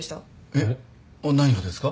えっ？何がですか？